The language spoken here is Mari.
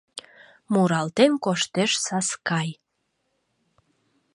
Муралтен коштеш Саскай...